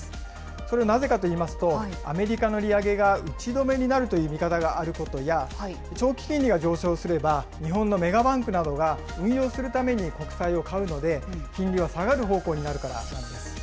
それはなぜかといいますと、アメリカの利上げが打ち止めになるという見方があることや、長期金利が上昇すれば、日本のメガバンクなどが運用するために国債を買うので、金利は下がる方向になるからなんです。